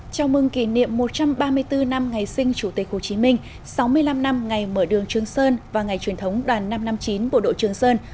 chào mừng kỷ niệm một trăm ba mươi bốn năm ngày sinh chủ tịch hồ chí minh sáu mươi năm năm ngày mở đường trường sơn và ngày truyền thống đoàn năm trăm năm mươi chín bộ đội trường sơn